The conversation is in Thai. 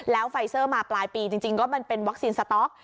แล้วไฟเซอร์มาปลายปีจริงก็มันเป็นวัคซีนสต๊อก